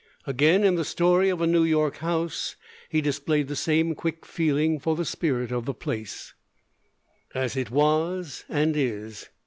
Again, in 'The Story of a New York House,' he displayed the same quick feeling for the spirit of the place, as it was and is.